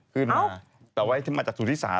ขึ้นมาถัวไว้มาจากสุธิศาล